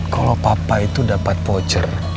kalau papa itu dapat voucher